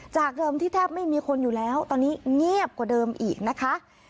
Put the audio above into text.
จากเดิมที่แทบไม่มีคนอยู่แล้วตอนนี้เงียบกว่าเดิมอีกนะคะ